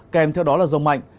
kèm theo đó là rông mạnh